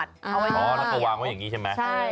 อ๋อแล้วตัววางว่ายังงี้ใช่มั้ยใช่